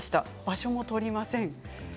場所も取りません。